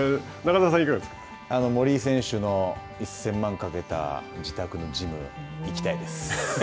森井選手の１０００万かけた自宅のジム、行きたいです。